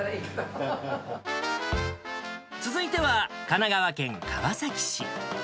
続いては、神奈川県川崎市。